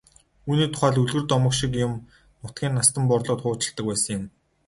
Үүний тухай л үлгэр домог шиг юм нутгийн настан буурлууд хуучилдаг байсан юм.